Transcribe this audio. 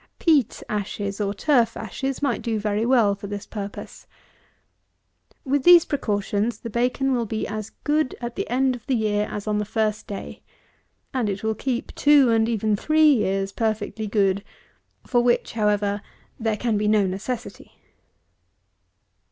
Peat ashes, or turf ashes, might do very well for this purpose. With these precautions, the bacon will be as good at the end of the year as on the first day; and it will keep two, and even three years, perfectly good, for which, however, there can be no necessity.